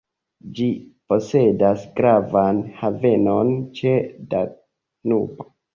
Ĝi posedas gravan havenon ĉe Danubo.